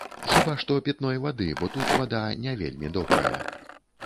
Хіба што пітной вады, бо тут вада не вельмі добрая.